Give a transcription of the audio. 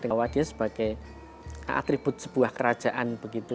awalnya sebagai atribut sebuah kerajaan